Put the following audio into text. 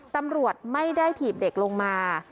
ตำรวจไม่ได้ถีบเด็กลงมา